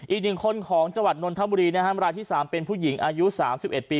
อีกหนึ่งคนของจังหวัดนนทบุรีนะฮะรายที่๓เป็นผู้หญิงอายุ๓๑ปี